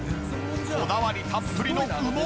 こだわりたっぷりの羽毛！